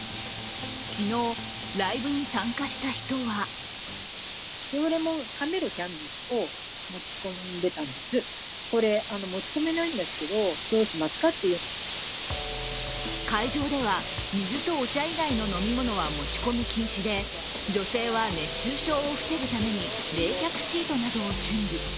昨日、ライブに参加した人は会場では、水とお茶以外の飲み物は持ち込み禁止で女性は熱中症防ぐために冷却シートなどを準備